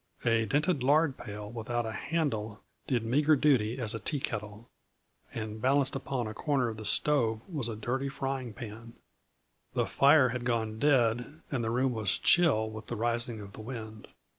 A dented lard pail without a handle did meagre duty as a teakettle, and balanced upon a corner of the stove was a dirty frying pan. The fire had gone dead and the room was chill with the rising of the wind.